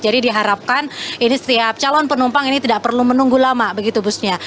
jadi diharapkan ini setiap calon penumpang ini tidak perlu menunggu lama begitu busnya